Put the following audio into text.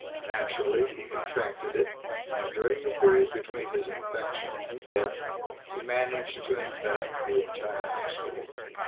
Naturally, he contracted it, and during the period between his infection and death he managed to infect the entire hospital.